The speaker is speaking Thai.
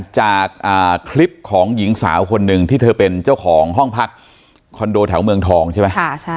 จากคลิปของหญิงสาวคนหนึ่งที่เธอเป็นเจ้าของห้องพักคอนโดแถวเมืองทองใช่ไหม